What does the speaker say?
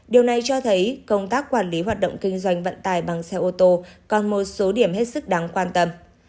điều này cho thấy công tác quản lý hoạt động kinh doanh vận tải bằng xe ô tô còn một số điểm hết sức đáng quan tâm